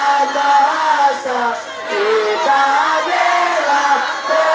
kita adalah tersehat